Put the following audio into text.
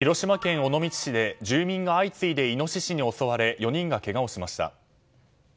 広島県尾道市で住民が相次いでイノシシに襲われ４人がけがをしました。